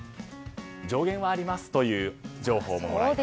上限はありますという情報が。